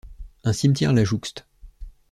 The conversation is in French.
Un cimetière la jouxte.